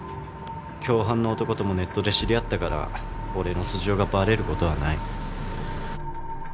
共犯の男ともネットで知り合ったから俺の素性がバレることはない